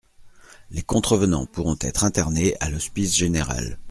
Les contrevenants pourront être internés à l'Hospice Général.